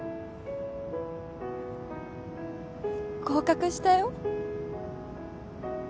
合格したよ。